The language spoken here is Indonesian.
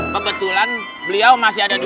kebetulan beliau masih ada di